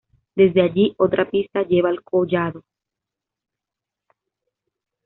Desde allí, otra pista lleva al collado.